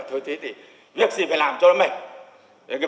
thôi thế thì việc gì phải làm cho nó mình